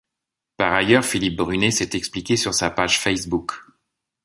Par ailleurs Philippe Brunet s’est expliqué sur sa page facebook.